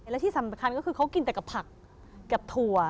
และที่สำคัญก็คือเขากินแต่กับผักกับถั่ว